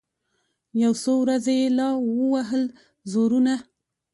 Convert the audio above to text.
یو څو ورځي یې لا ووهل زورونه